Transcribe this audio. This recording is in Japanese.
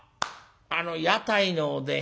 あの屋台のおでん。